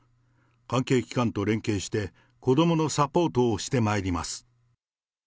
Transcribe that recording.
関係機関と連携して、子どものサポートをしてまいります。